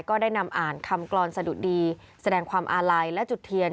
ก็ได้นำอ่านคำกรอนสะดุดีแสดงความอาลัยและจุดเทียน